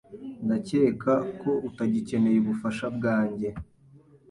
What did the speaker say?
Ndakeka ko utagikeneye ubufasha bwanjye.